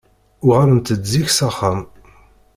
Uɣalent-d zik s axxam.